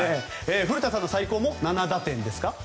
古田さんの最高も７打点ですか。